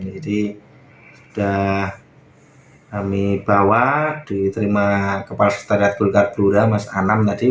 sudah kami bawa diterima kepala sekretariat golkar blura mas anam tadi